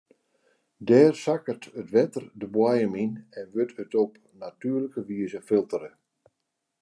Dêr sakket it wetter de boaiem yn en wurdt it op natuerlike wize filtere.